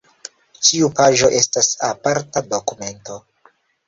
Ĉiu paĝo estas aparta dokumento.